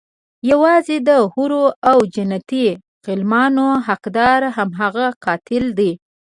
يوازې د حورو او جنتي غلمانو حقدار هماغه قاتل دی.